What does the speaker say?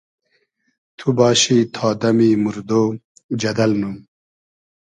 تو باشی تا دئمی موردۉ جئدئل نوم